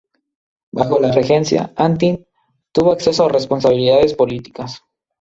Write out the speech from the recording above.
Bajo la Regencia, Antin, tuvo acceso a responsabilidades políticas.